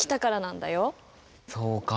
そうか。